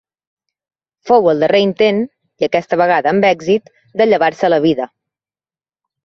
Fou el darrer intent, i aquesta vegada amb èxit, de llevar-se la vida.